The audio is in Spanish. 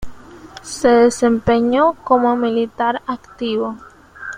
Se desempeñó como militar activo.